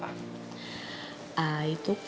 aa itu kan